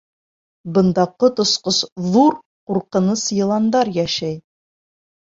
Бында ҡот осҡос ҙур, ҡурҡыныс йыландар йәшәй.